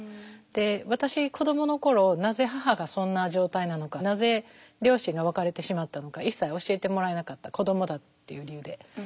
で私子どもの頃なぜ母がそんな状態なのかなぜ両親が別れてしまったのか一切教えてもらえなかった子どもだっていう理由で。